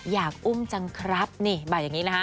อยากอุ้มจังครับนี่บอกอย่างนี้นะคะ